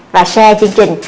và share chương trình